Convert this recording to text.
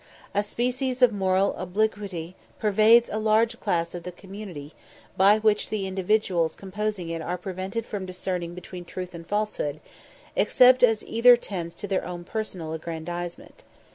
A species of moral obliquity pervades a large class of the community, by which the individuals composing it are prevented from discerning between truth and falsehood, except as either tends to their own personal aggrandisement.